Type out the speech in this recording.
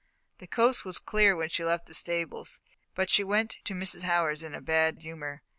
The coast was clear when she left the stables, but she went to Mrs. Howard's in a bad humour.